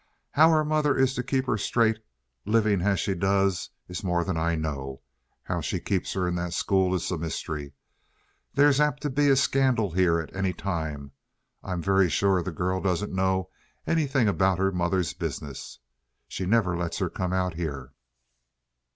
How her mother is to keep her straight, living as she does, is more than I know. How she keeps her in that school is a mystery. There's apt to be a scandal here at any time. I'm very sure the girl doesn't know anything about her mother's business. She never lets her come out here."